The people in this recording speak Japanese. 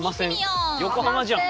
横浜じゃん。